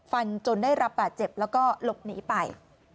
จนได้รับบาดเจ็บแล้วก็หลบหนีไป